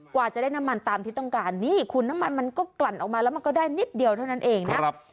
กว่าจะได้น้ำมันตามที่ต้องการนี่คุณน้ำมันมันก็กลั่นออกมาแล้วมันก็ได้นิดเดียวเท่านั้นเองนะครับ